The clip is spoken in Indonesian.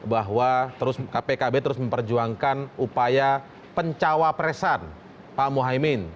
bahwa pkb terus memperjuangkan upaya pencawa presan pak muhaymin